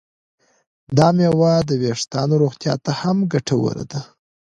دا میوه د ویښتانو روغتیا ته هم ګټوره ده.